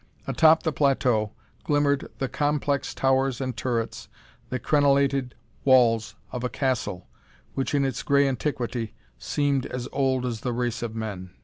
Atop of the plateau, glimmered the complex towers and turrets, the crenellated walls of a castle which, in its grey antiquity, seemed as old as the race of men.